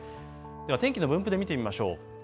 では天気の分布で見てみましょう。